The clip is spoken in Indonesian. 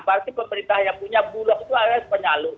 berarti pemerintah yang punya bulog itu adalah penyalur